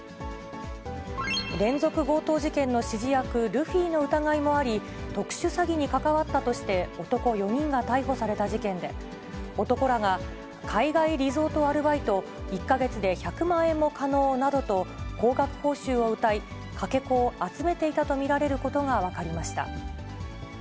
連続強盗事件の指示役、ルフィの疑いもあり、特殊詐欺に関わったとして、男４人が逮捕された事件で、男らが海外リゾートアルバイト、１か月で１００万円も可能などと高額報酬をうたい、かけ子を集めていたと見られることが分かりました。